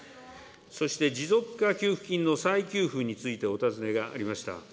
そして持続化給付金の再給付についてお尋ねがありました。